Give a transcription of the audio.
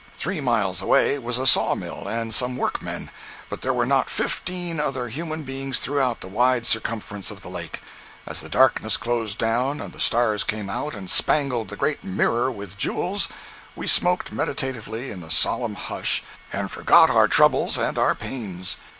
Three miles away was a saw mill and some workmen, but there were not fifteen other human beings throughout the wide circumference of the lake. As the darkness closed down and the stars came out and spangled the great mirror with jewels, we smoked meditatively in the solemn hush and forgot our troubles and our pains.